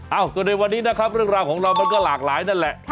ส่วนในวันนี้นะครับเรื่องราวของเรามันก็หลากหลายนั่นแหละ